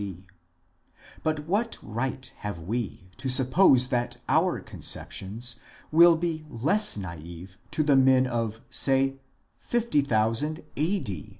1 ; but what right have we to suppose that our conceptions will be less naive to the men of, say, 50,000 A.D. ?